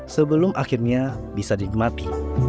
sebelum akhirnya bisa dinikmati